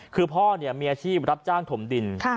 คือพ่อมีอาชีพรับจ้างถมดิน